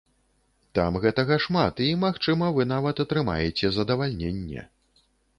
Там гэтага шмат і, магчыма, вы нават атрымаеце задавальненне.